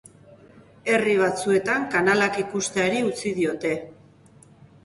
Herri batzuetan kanalak ikusteari utziko diote.